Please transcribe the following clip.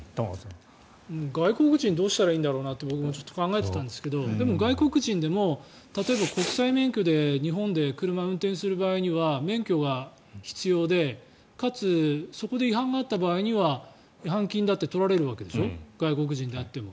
外国人どうしたらいいんだろうなって僕も考えていたんですがでも、外国人でも例えば国際免許で日本で車を運転する場合には免許が必要でかつそこで違反があった場合には違反金だって取られるわけでしょ外国人であっても。